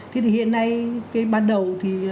thì hiện nay cái ban đầu thì